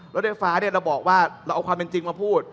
รถไฟฟ้าเราบอกว่าเราเอาความเป็นจริงมาพูด